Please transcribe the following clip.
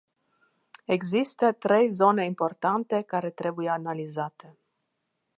Există trei zone importante care trebuie analizate.